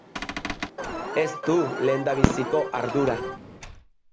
Ez du lehendabiziko ardura.